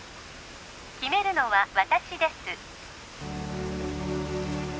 決めるのは私です